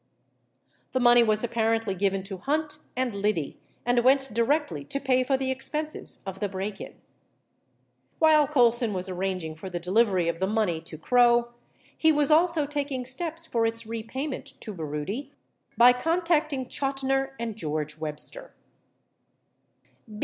71 The money was apparently given to Hunt and Liddy and went directly to pay for the expenses of the break in. While Colson Avas arranging for the delivery of the money to Krogh, he was also taking steps for its repayment to Baroody by con tacting Chotiner and George Webster.